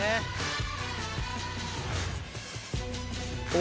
お！